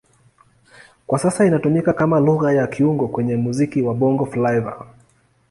Kwa sasa inatumika kama Lugha ya kiungo kwenye muziki wa Bongo Flava.